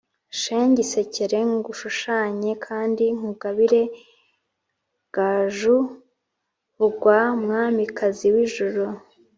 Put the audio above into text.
shenge isekere ngushushanye kandi nkugabire gajuvugwa mwamikazi w’ijuru